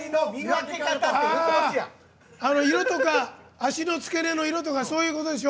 足の付け根の色とかそういうことでしょ。